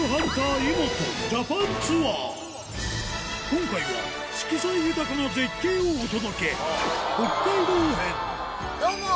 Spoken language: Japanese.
今回は色彩豊かな絶景をお届けどうも！